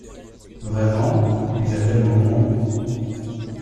Vraiment, il y a des moments…